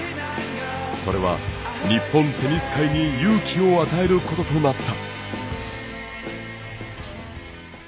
それは日本テニス界に勇気を与えることとなった。